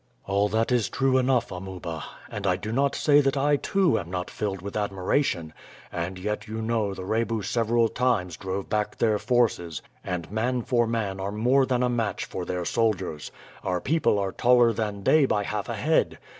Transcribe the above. "All that is true enough, Amuba, and I do not say that I, too, am not filled with admiration, and yet you know the Rebu several times drove back their forces, and man for man are more than a match for their soldiers. Our people are taller than they by half a head.